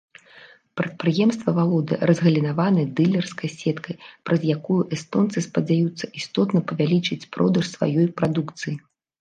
Прадпрыемства валодае разгалінаванай дылерскай сеткай, праз якую эстонцы спадзяюцца істотна павялічыць продаж сваёй прадукцыі.